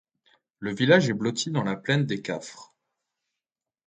Le village est blotti dans la Plaine des Cafres.